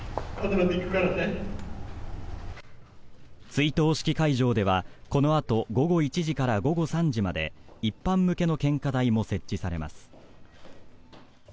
追悼式会場ではこのあと午後１時から午後３時まで一般向けの献花台も設置されます。